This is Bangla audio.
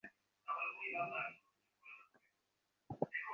কেমন করিয়া কী দিয়া আমি তাহা পূরণ করি।